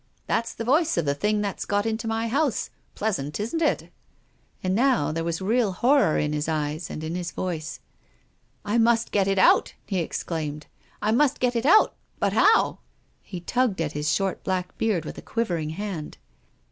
" That's the voice of the thing that's got into my house," he said. " Pleasant, isn't it ?" And now there was really horror in his eyes, and in his voice. " I must get it out," he exclaimed. " I must get it out. But how? " He tugged at his short black beard with a quiv ering hand.